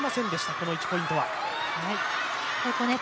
この１ポイントは。